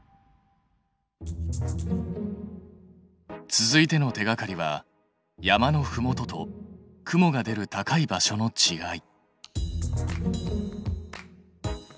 続いての手がかりは山のふもとと雲が出る高い場所のちがい。